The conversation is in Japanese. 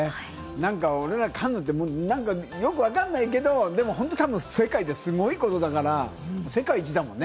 何か俺はカンヌって、よくわかんないけれども、たぶん世界ですごいことだから、世界一だもんね。